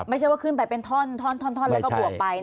ไม่ใช่ว่าขึ้นไปเป็นท่อนแล้วก็บวกไป